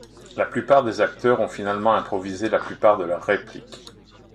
La plupart des acteurs ont finalement improvisé la plupart de leur répliques.